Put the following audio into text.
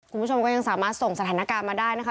คุณผู้ชมก็ยังสามารถส่งสถานการณ์มาได้นะคะ